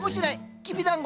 きびだんご